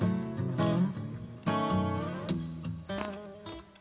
うん。